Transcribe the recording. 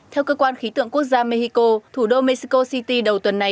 theo cơ quan khí tượng quốc gia mexico thủ đô mexico city đầu tuần này